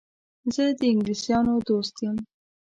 زه د انګلیسیانو دوست یم.